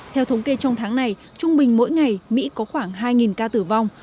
theo thống kê trong tháng này trung bình mỗi ngày mỹ có khoảng hai ca tử vong